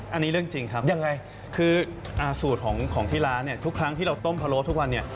อันนี้เรื่องจริงครับยังไงคือสูตรของที่ร้านเนี่ยทุกครั้งที่เราต้มพะโล้ทุกวันเนี่ย